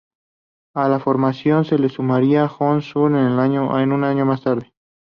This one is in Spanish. A la formación se le sumaría Hannes Schulze un año más tarde.